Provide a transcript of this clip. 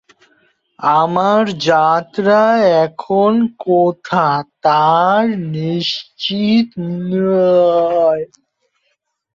আমার যাত্রা এখন কোথা, তার নিশ্চিত নাই।